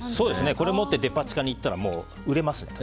これ持ってデパ地下に行ったら売れます。